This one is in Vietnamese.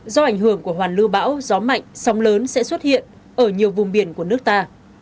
do ảnh hưởng của hoàn lưu bão gió mạnh sóng lớn sẽ xuất hiện ở nhiều vùng biển của nước ta